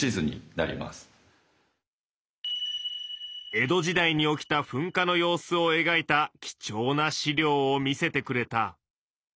江戸時代に起きた噴火の様子をえがいた貴重な史料を見せてくれた。